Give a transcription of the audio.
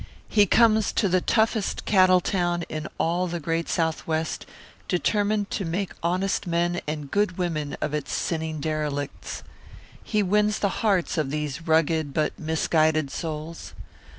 He comes to the toughest cattle town in all the great Southwest, determined to make honest men and good women of its sinning derelicts. He wins the hearts of these rugged but misguided souls.